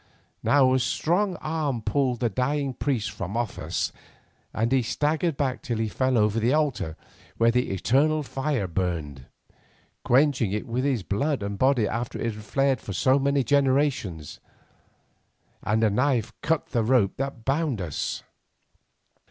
Now a strong arm pulled the dying priest from off us, and he staggered back till he fell over the altar where the eternal fire burned, quenching it with his blood and body after it had flared for many generations, and a knife cut the rope that bound us.